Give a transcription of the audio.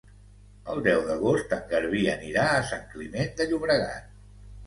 El deu d'agost en Garbí anirà a Sant Climent de Llobregat.